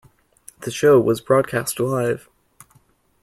The show was broadcast live.